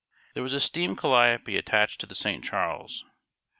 There was a steam calliope attached to the "St. Charles."